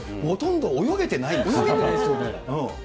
泳げてないですよね。